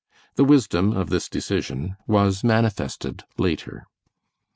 The wisdom of this decision was manifested later.